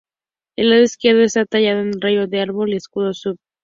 En el lado izquierdo está tallado un rayo, un árbol y un escudo scutum.